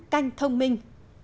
canh thông minh